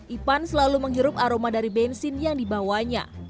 ipan selalu menghirup aroma dari bensin yang dibawanya